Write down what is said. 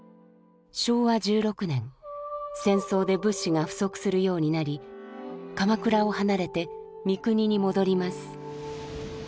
昭和１６年戦争で物資が不足するようになり鎌倉を離れて三国に戻ります。